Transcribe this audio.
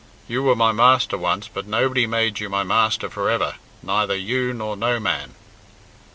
You were my master once, but nobody made you my master for ever neither you nor no man."